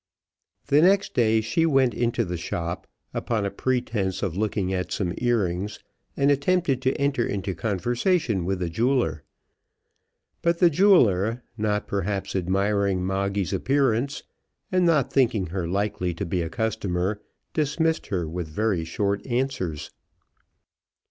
The next day she went into the shop upon a pretence of looking at some ear rings, and attempted to enter into conversation with the jeweller; but the jeweller, not perhaps admiring Moggy's appearance, and not thinking her likely to be a customer, dismissed her with very short answers.